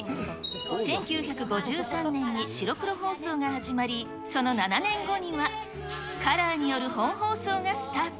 １９５３年に白黒放送が始まり、その７年後には、カラーによる本放送がスタート。